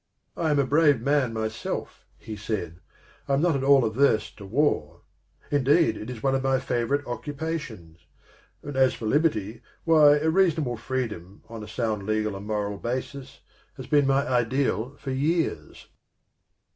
" I am a brave man myself," he said ;" I am not at all averse to war ; indeed, it is one of my favourite occupations ; and as for liberty, why, a reasonable freedom on a sound legal and moral basis has been my ideal for years."